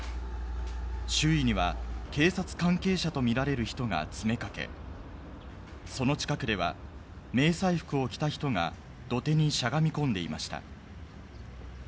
周囲には警察関係者と見られる人が詰めかけ、その近くでは、迷彩服を着た人が土手にしゃがみ込んでいました。